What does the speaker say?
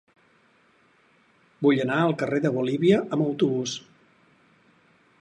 Vull anar al carrer de Bolívia amb autobús.